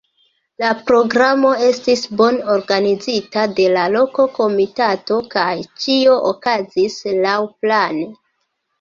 La programo estis bone organizita de la loka komitato, kaj ĉio okazis laŭplane.